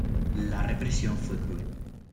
La represión fue cruel.